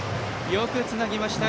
よくつなぎました。